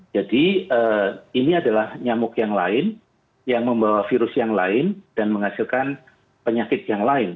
jadi ini adalah nyamuk yang lain yang membawa virus yang lain dan menghasilkan penyakit yang lain